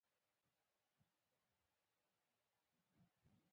ژوندي خلک روغتیا ته اړتیا لري